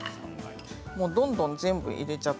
どんどん全部入れちゃって。